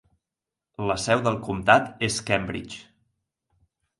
La seu del comtat és Cambridge.